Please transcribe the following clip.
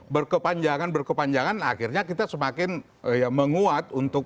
berkepanjangan berkepanjangan akhirnya kita semakin menguat untuk